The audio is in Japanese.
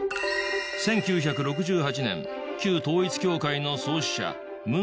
１９６８年旧統一教会の創始者文